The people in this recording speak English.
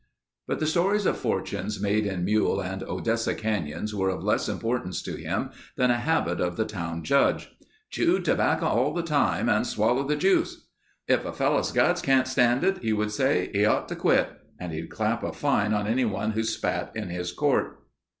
But the stories of fortunes made in Mule and Odessa Canyons were of less importance to him than a habit of the town judge. "Chewed tobacco all the time and swallowed the juice, 'If a fellow's guts can't stand it,' he would say, 'he ought to quit,' and he'd clap a fine on anybody who spat in his court.